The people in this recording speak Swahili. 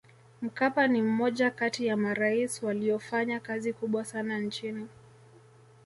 mkapa ni mmoja kati ya maraisi waliyofanya kazi kubwa sana nchini